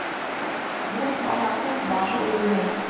Буш башаҡтың башы эйелмәй.